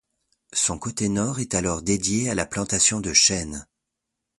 Son côté nord est alors dédié à la plantation de chêne.